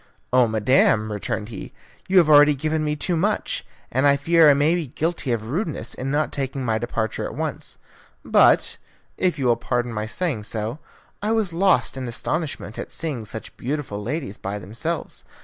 "Oh, madam," returned he, "you have already given me too much, and I fear I may have been guilty of rudeness in not taking my departure at once. But, if you will pardon my saying so, I was lost in astonishment at seeing such beautiful ladies by themselves.